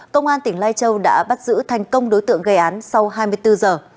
công an tỉnh lai châu đã bắt giữ thành công đối tượng gây án sau hai mươi bốn giờ